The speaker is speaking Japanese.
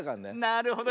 なるほど。